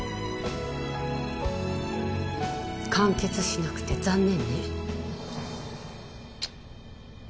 完結しなくて残念ね。